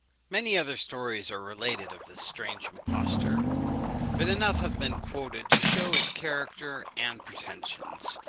Many other stories are related of this strange impostor; but enough have been quoted to shew his character and pretensions.